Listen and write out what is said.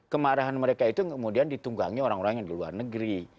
kemarahan mereka itu kemudian ditunggangi orang orang yang di luar negeri